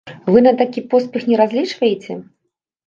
Вы на такі поспех не разлічваеце?